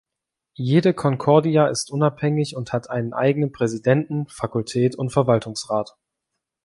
Jede Concordia ist unabhängig und hat einen eigenen Präsidenten, Fakultät und Verwaltungsrat.